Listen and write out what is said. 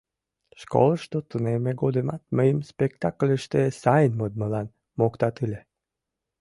Школышто тунемме годымат мыйым спектакльыште сайын модмылан моктат ыле.